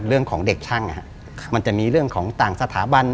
เรื่องของเด็กช่างมันจะมีเรื่องของต่างสถาบัน